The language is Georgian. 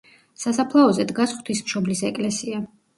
სასაფლაოზე დგას ღვთისმშობლის ეკლესია.